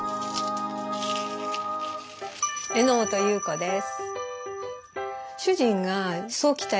榎本裕子です。